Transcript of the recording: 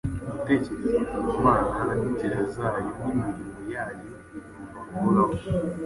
Gutekereza ku Mana, n’inzira zayo n’imirimo yayo bigomba guhoraho